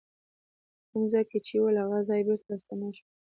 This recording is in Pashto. په کوم ځای کې چې وه له هغه ځایه بېرته راستنه شوه.